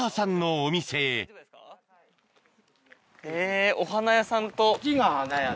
へぇお花屋さんと。